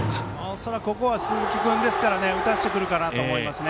恐らくここは鈴木君ですから打たしてくるかなと思いますね。